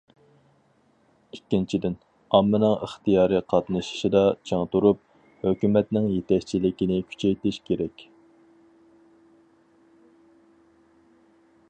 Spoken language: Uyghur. ئىككىنچىدىن، ئاممىنىڭ ئىختىيارىي قاتنىشىشىدا چىڭ تۇرۇپ، ھۆكۈمەتنىڭ يېتەكچىلىكىنى كۈچەيتىش كېرەك.